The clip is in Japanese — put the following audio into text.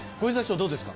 どうですか？